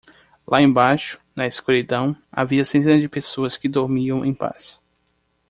Lá embaixo, na escuridão, havia centenas de pessoas que dormiam em paz.